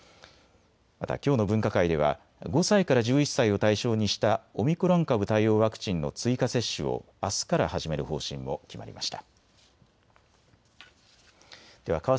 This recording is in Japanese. またきょうの分科会では５歳から１１歳を対象にしたオミクロン株対応ワクチンの追加接種をあすから始める方針も決まりました。